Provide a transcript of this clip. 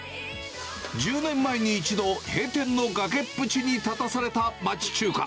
１０年前に一度、閉店の崖っぷちに立たされた町中華。